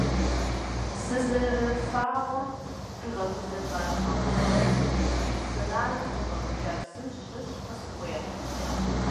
Сызэрыфагъуэм къигъэгузэва щхьэгъусэм шыпсыранэм къыщӀэвыкӀа псым щыщ къысхуехь.